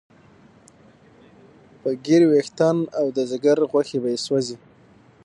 د ږیرې ویښتان او د ځیګر غوښې به یې سوځي.